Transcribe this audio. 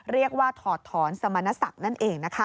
เรียกว่าถอดถอนสมรรณศักดิ์นั่นเอง